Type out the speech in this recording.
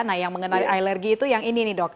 nah yang mengenai alergi itu yang ini nih dok